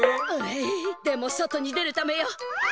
うでも外に出るためよ！